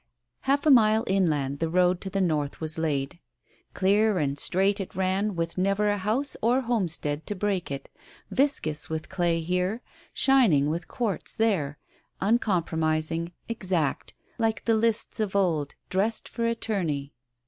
Half a mile inland the road to the north was laid. Clear and straight it ran, with never a house or homestead to break it, viscous with clay here, shining with quartz there, uncompromising, exact, like the lists of old, dressed for a tourney.